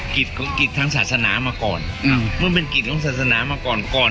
กฤตของกฤตทั้งศาสนามาก่อนอืมมันเป็นกฤตของศาสนามาก่อน